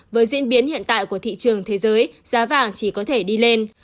với diễn biến hiện tại của thị trường thế giới giá vàng chỉ có thể đi lên